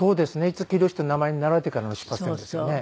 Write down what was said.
五木ひろしという名前になられてからの出発点ですよね。